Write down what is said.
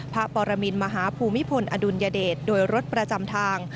ปรมินมหาภูมิพลอดุลยเดชโดยรถประจำทาง